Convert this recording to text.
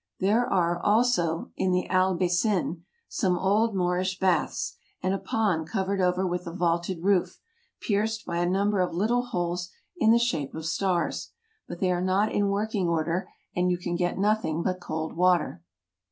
There are, also, in the Albaycin, some old Moorish baths, and a pond covered over with a vaulted roof, pierced by a number of little holes in the shape of stars, but they are not in working order, and you can get nothing but cold water.